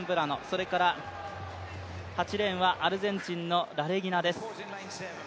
それから８レーンはアルゼンチンのラレギナです。